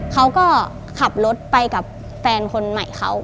เขาก็ขับรถไปกับแฟนคนใหม่เขา